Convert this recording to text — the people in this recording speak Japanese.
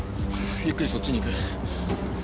ゆっくりそっちに行く。